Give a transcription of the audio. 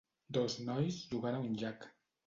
Dos nois jugant a un llac.